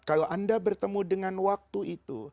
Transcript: kalau anda bertemu dengan waktu itu